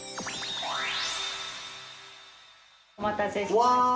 お待たせしました。